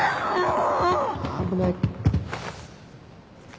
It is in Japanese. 危ない。